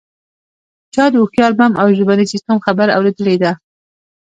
چا د هوښیار بم او ژبني سیستم خبره اوریدلې ده